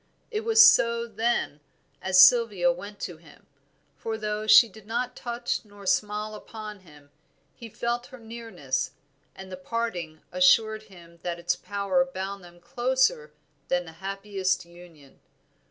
It was so then, as Sylvia went to him; for though she did not touch nor smile upon him, he felt her nearness; and the parting assured him that its power bound them closer than the happiest union.